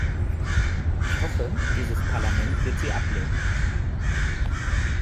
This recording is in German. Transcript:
Ich hoffe, dieses Parlament wird sie ablehnen.